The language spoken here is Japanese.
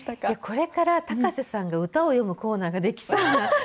これから高瀬さんが歌を詠むコーナーが出来そうな。